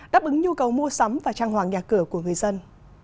đáp ứng nhu cầu mua sắm và trang hoàng nhà cửa của người dân